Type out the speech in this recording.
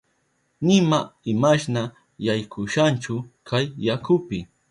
Nima imashna yaykushanchu kay yakupi.